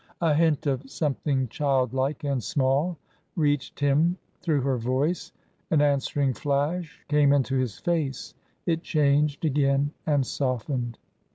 A hint of something childlike and small reached him through her voice. An answering flash came into his face ; it changed again and softened.